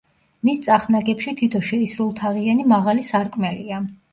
მის წახნაგებში თითო შეისრულთაღიანი მაღალი სარკმელია.